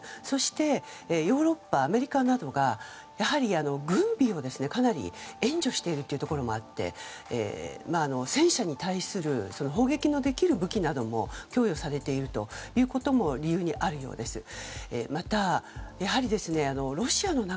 そして、ヨーロッパアメリカなどがやはり軍備をかなり援助しているというところもあって戦車に対する砲撃のできる武器なども供与されていることも理由にあるようです。